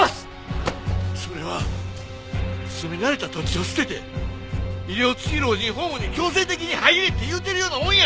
それは住み慣れた土地を捨てて医療付き老人ホームに強制的に入れって言うてるようなもんや！